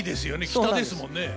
北ですもんね。